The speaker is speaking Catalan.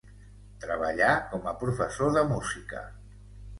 Treballà com a professor de música.